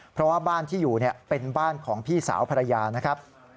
เพราะว่าบ้านที่อยู่เป็นบ้านของพี่สาวภรรยานะครับ